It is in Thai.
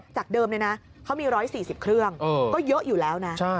จากเดิมเลยนะเขามี๑๔๐เครื่องก็เยอะอยู่แล้วนะ